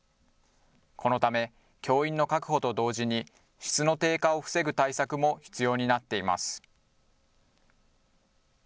このため、教員の確保と同時に、質の低下を防ぐ対策も必要になっています。